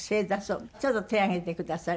ちょっと手を挙げてくださる？